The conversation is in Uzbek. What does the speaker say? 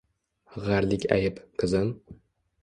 G‘arlik ayb, qizim